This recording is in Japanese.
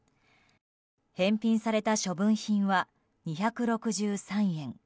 返品された処分品は２６３円。